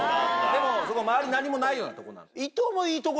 でもその周り何もないようなとこなんで。